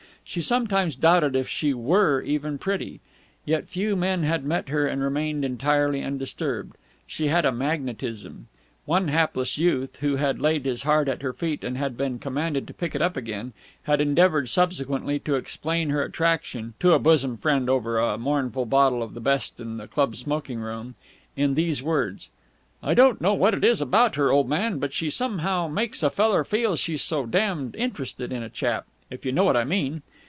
She sometimes doubted if she were even pretty. Yet few men had met her and remained entirely undisturbed. She had a magnetism. One hapless youth, who had laid his heart at her feet and had been commanded to pick it up again, had endeavoured subsequently to explain her attraction (to a bosom friend over a mournful bottle of the best in the club smoking room) in these words: "I don't know what it is about her, old man, but she somehow makes a feller feel she's so damned interested in a chap, if you know what I mean."